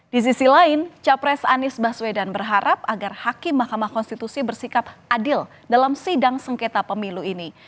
di sisi lain capres anies baswedan berharap agar hakim mahkamah konstitusi bersikap adil dalam sidang sengketa pemilu ini